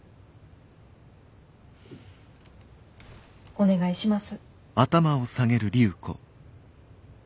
お願いします。